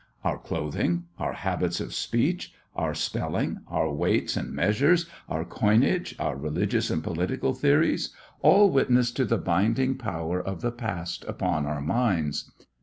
Our clothing, our habits of speech, our spelling, our weights and measures, our coinage, our religious and political theories, all witness to the binding power of the past upon our minds.